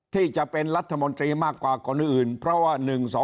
ที่จะเป็นรัฐมนตรีมากกว่าคนอื่นเพราะว่า๑๒